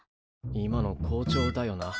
今の校長だよな。